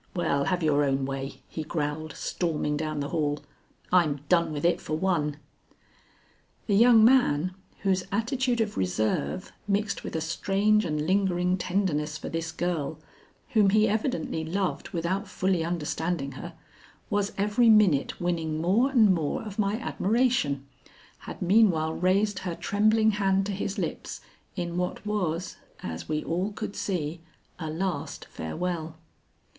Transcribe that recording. Well, have your own way," he growled, storming down the hall; "I'm done with it for one." The young man, whose attitude of reserve, mixed with a strange and lingering tenderness for this girl, whom he evidently loved without fully understanding her, was every minute winning more and more of my admiration, had meanwhile raised her trembling hand to his lips in what was, as we all could see, a last farewell.